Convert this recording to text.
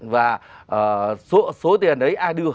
và số tiền ấy ai đưa